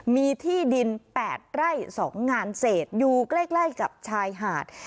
มีที่ดิน๘ไร่๒งานเศษอยู่ใกล้กับชายหาด